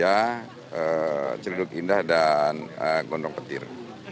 di mana ada ciledug indah dan gondong petir